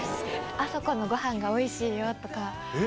あそこのごはんがおいしいよえっ？